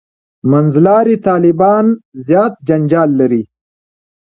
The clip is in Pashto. «منځلاري طالبان» زیات جنجال لري.